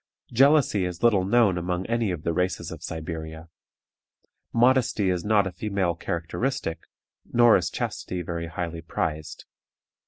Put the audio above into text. Jealousy is little known among any of the races of Siberia. Modesty is not a female characteristic, nor is chastity very highly prized.